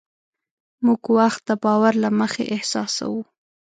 موږ وخت د باور له مخې احساسوو.